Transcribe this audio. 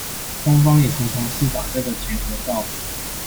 東方也常常是把這個結合道德